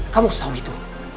kamu harus tahu itu